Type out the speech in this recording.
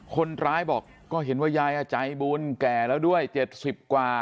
คนร้ายบอกก็เห็นว่ายายใจบุญแก่แล้วด้วย๗๐กว่า